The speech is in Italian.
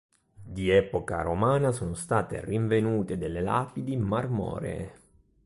Di epoca romana sono state rinvenute delle lapidi marmoree.